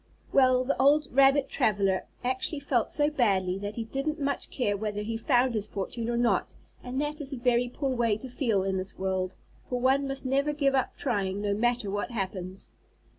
Well, the old rabbit traveler actually felt so badly that he didn't much care whether he found his fortune or not, and that is a very poor way to feel in this world, for one must never give up trying, no matter what happens.